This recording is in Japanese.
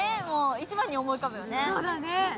一番に思い浮かぶよね。